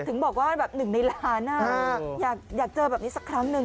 ถึงบอกว่าแบบหนึ่งในล้านอยากเจอแบบนี้สักครั้งหนึ่ง